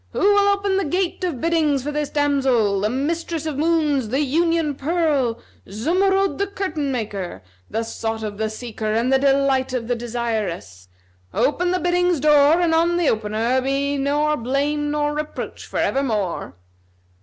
Who will open the gate of biddings for this damsel, the mistress of moons, the union pearl, Zumurrud the curtain maker, the sought of the seeker and the delight of the desirous? Open the biddings' door and on the opener be nor blame nor reproach for evermore."